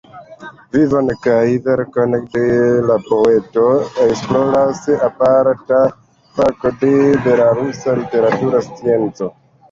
Vivon kaj verkaron de la poeto, esploras aparta fako de belorusa literatura scienco.